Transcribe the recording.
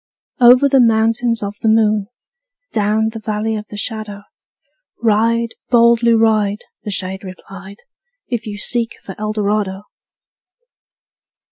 '' Over the Mountains Of the Moon, Down the Valley of the Shadow, Ride, boldly ride,'' The shade replied, ``If you seek for Eldorado!''